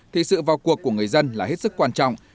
thì sự vào cuộc của người dân là hết sức quan trọng